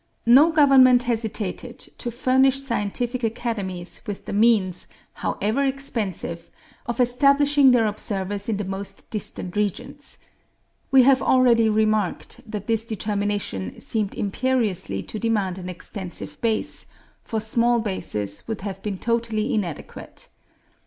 No government hesitated to furnish scientific academies with the means, however expensive, of establishing their observers in the most distant regions. We have already remarked that this determination seemed imperiously to demand an extensive base, for small bases would have been totally inadequate.